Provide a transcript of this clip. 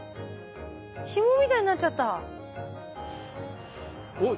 ひもみたいになっちゃった。